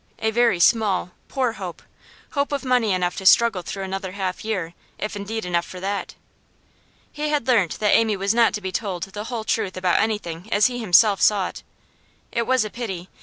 'A very small, poor hope. Hope of money enough to struggle through another half year, if indeed enough for that.' He had learnt that Amy was not to be told the whole truth about anything as he himself saw it. It was a pity.